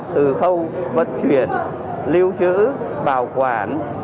từ khâu vận chuyển lưu trữ bảo quản